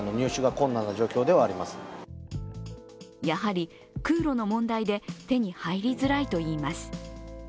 やはり空路の問題で手に入りづらいといいます。